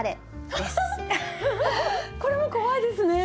これも怖いですね。